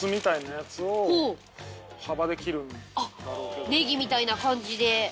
あっネギみたいな感じで。